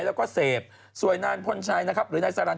แล้วก็เสพสวยนานพลชัยหรือนายสรรค์